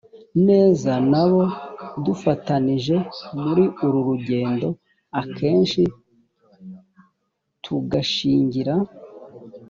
neza n abo dufatanyije muri uru rugendo akenshi tugashingira